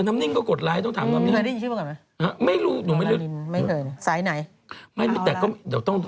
น้ำนิ่งก็กดไลค์ต้องถามน้ำนิ่ง